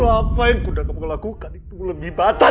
apa yang kudang kudang lakukan itu lebih bantuan